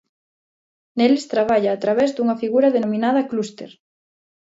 Neles traballa a través dunha figura denominada clúster.